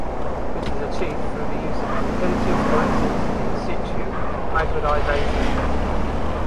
This is achieved through the use of competitive fluorescence in situ hybridization.